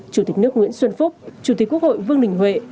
chủ tịch nước nguyễn xuân phúc chủ tịch quốc hội vương đình huệ